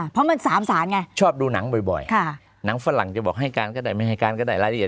เพราะมันสามสารไงชอบดูหนังบ่อยหนังฝรั่งจะบอกให้การก็ได้ไม่ให้การก็ได้รายละเอียด